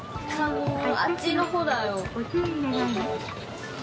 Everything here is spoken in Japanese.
あっちの方だよ。